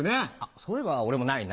そういえば俺もないな。